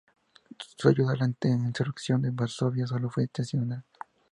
Su ayuda a la insurrección de Varsovia solo fue testimonial.